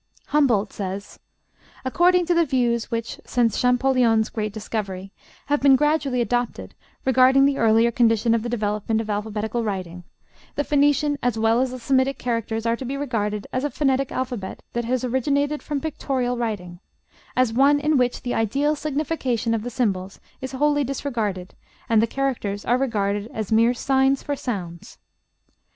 Humboldt says: "According to the views which, since Champollion's great discovery, have been gradually adopted regarding the earlier condition of the development of alphabetical writing, the Phoenician as well as the Semitic characters are to be regarded as a phonetic alphabet that has originated from pictorial writing; as one in which the ideal signification of the symbols is wholly disregarded, and the characters are regarded as mere signs for sounds."